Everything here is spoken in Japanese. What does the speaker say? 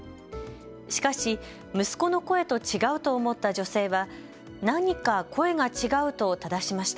しかし、息子の声と違うと思った女性は何か声が違うと、ただしました。